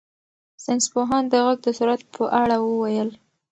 ساینس پوهانو د غږ د سرعت په اړه وویل.